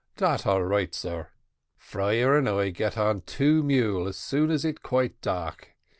"Dat all right, sar. Friar and I get on two mule as soon as it quite dark.